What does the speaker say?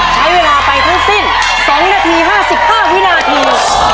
ใช้เวลาไปทั้งสิ้น๒นาที๕๕วินาที